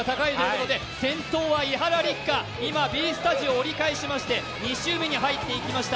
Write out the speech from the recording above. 先頭は伊原六花、今Ｂスタジオを折り返しまして２周目に入っていきました。